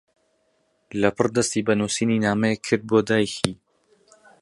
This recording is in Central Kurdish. لەپڕ دەستی بە نووسینی نامەیەک کرد بۆ دایکی.